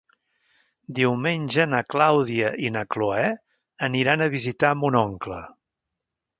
Diumenge na Clàudia i na Cloè aniran a visitar mon oncle.